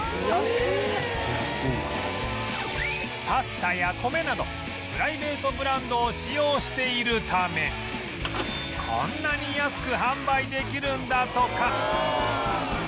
パスタや米などプライベートブランドを使用しているためこんなに安く販売できるんだとか